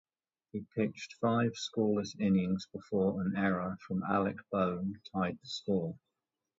He pitched five scoreless innings before an error from Alec Bohm tied the score.